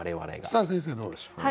さあ先生どうでしょう？